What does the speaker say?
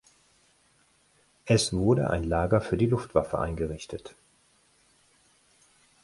Es wurde ein Lager für die Luftwaffe eingerichtet.